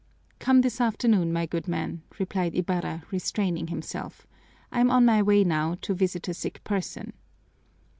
"Come this afternoon, my good man," replied Ibarra, restraining himself. "I'm on my way now to visit a sick person."